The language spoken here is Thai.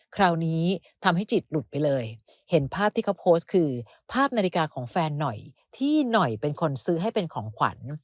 คราวนี้ทำให้จิตหลุดไปเลยเห็นภาพที่เขาโพสต์คือภาพนาฬิกาของแฟนหน่อยที่หน่อยเป็นคนซื้อให้เป็นของขวัญ